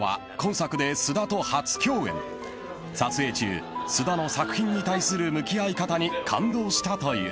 ［撮影中菅田の作品に対する向き合い方に感動したという］